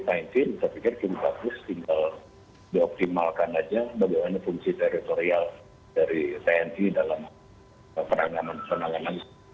saya pikir kita harus tinggal dioptimalkan saja bagaimana fungsi teritorial dari tni dalam perangkangan perangkangan